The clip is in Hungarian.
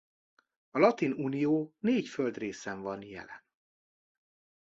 A Latin Unió négy földrészen van jelen.